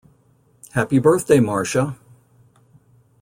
Happy Birthday, Marsha!